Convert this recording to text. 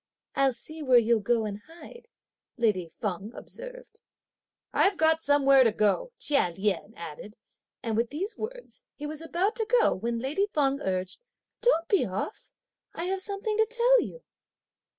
"I'll see where you'll go and hide," lady Feng observed. "I've got somewhere to go!" Chia Lien added; and with these words, he was about to go, when lady Feng urged: "Don't be off! I have something to tell you."